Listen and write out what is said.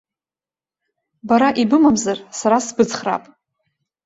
Бара ибымамзар, сара сбыцхраап.